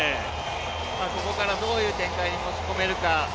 ここからどういう展開に持ち込めるか。